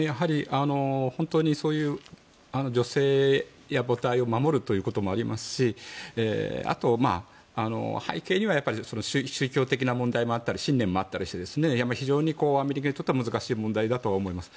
本当にそういう女性や母体を守るということもありますしあとは背景には宗教的な問題もあったり信念もあったりして非常にアメリカにとっては難しい問題だと思います。